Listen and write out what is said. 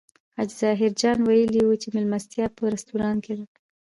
حاجي ظاهر جان ویلي و چې مېلمستیا په رستورانت کې ده.